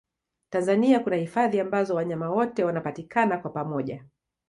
tanzania kuna hifadhi ambazo wanyama wote wanapatikana kwa pamoja